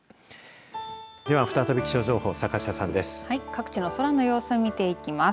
では、再び気象情報坂下さんです。